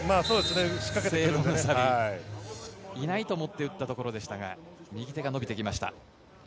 セイエド・ムーサビ、いないと思って打ったところでしたが、右手が伸びてきました。